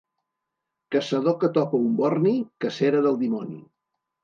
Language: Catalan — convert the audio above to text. Caçador que topa un borni, cacera del dimoni.